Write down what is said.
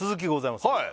はい！